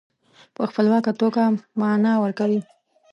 په خپلواکه توګه معنا ورکوي.